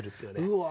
うわ！